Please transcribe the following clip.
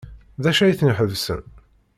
D acu ay ten-iḥebsen?